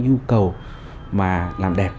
nhu cầu mà làm đẹp